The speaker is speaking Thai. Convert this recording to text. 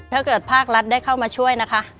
ภาครัฐได้เข้ามาช่วยนะคะ